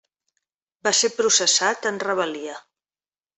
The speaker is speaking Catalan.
Va ser processat en rebel·lia.